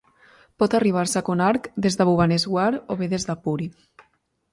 Por arribar-se a Konark des de Bhubaneswar o bé des de Puri.